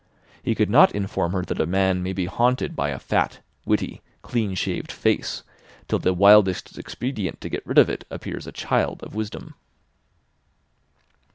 He could not inform her that a man may be haunted by a fat, witty, clean shaved face till the wildest expedient to get rid of it appears a child of wisdom.